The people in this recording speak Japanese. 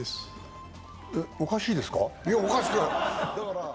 おかしいですか？